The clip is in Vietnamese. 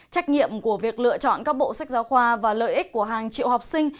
trách nhiệm của việc lựa chọn các bộ sách giáo khoa và lợi ích của hàng triệu học sinh